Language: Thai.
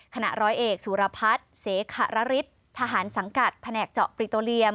ขณะร้อยเอกสุรพัฒน์เสขระฤทธิ์ทหารสังกัดแผนกเจาะปริโตเรียม